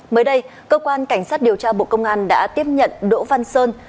mới đây cơ quan cảnh sát điều tra bộ công an đã tiếp nhận đỗ văn sơn